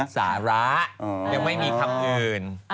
สาระยังไม่มีคำอื่น